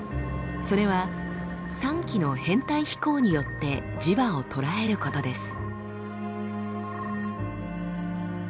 それは３基の編隊飛行によって磁場を捉えることです。